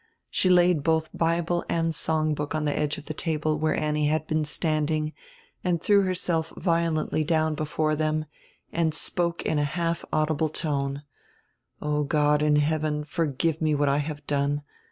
She laid both Bible and songbook on die edge of die tahle where Annie had been standing, and threw herself violently down before them and spoke in a half audible tone: "God in Heaven, forgive me what I have done.